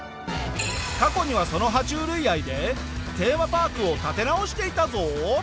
過去にはその爬虫類愛でテーマパークを立て直していたぞ。